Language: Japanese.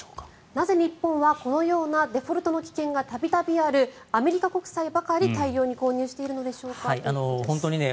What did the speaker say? なぜ日本はこのようなデフォルトの危険が度々あるアメリカ国債ばかり大量に購入しているのでしょうかということです。